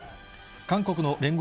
韓国の聯合